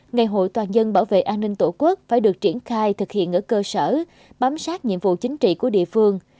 ngày hội toàn dân bảo vệ an ninh tổ quốc phải được triển khai thực hiện ở cơ sở bám sát nhiệm vụ chính trị của địa phương